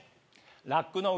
ラックの上？